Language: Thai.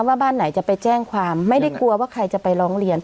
ว่าบ้านไหนจะไปแจ้งความไม่ได้กลัวว่าใครจะไปร้องเรียน